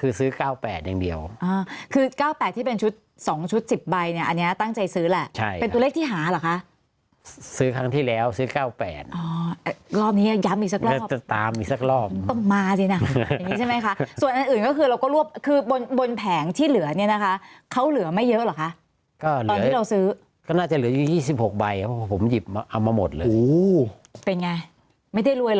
คือซื้อ๙๘อย่างเดียวคือ๙๘ที่เป็นชุด๒ชุด๑๐ใบเนี่ยอันนี้ตั้งใจซื้อแหละเป็นตัวเลขที่หาเหรอคะซื้อครั้งที่แล้วซื้อ๙๘รอบนี้ย้ำอีกสักรอบน่าจะตามอีกสักรอบต้องมาสินะอย่างนี้ใช่ไหมคะส่วนอื่นก็คือเราก็รวบคือบนแผงที่เหลือเนี่ยนะคะเขาเหลือไม่เยอะเหรอคะก็ตอนที่เราซื้อก็น่าจะเหลืออยู่๒๖ใบเพราะผมหยิบเอามาหมดเลยโอ้โหเป็นไงไม่ได้รวยหรอ